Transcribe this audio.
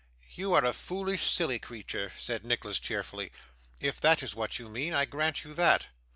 'You are a foolish, silly creature,' said Nicholas cheerfully. 'If that is what you mean, I grant you that.